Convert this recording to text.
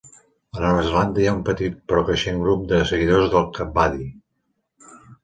A Nova Zelanda hi ha un petit però creixent grup de seguidors del Kabaddi.